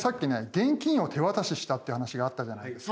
現金を手渡ししたっていう話があったじゃないですか。